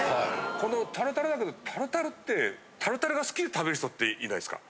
このタルタルだけどタルタルってタルタルが好きで食べる人っていないっすか？